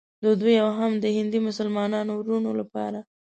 د دوی او هم د هندي مسلمانانو وروڼو لپاره.